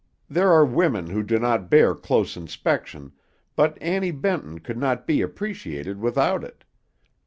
There are women who do not bear close inspection, but Annie Benton could not be appreciated without it.